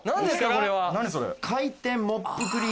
これは。